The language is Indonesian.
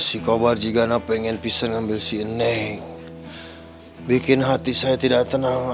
si kobar jikana pengen bisa ngambil si nenek bikin hati saya tidak tenang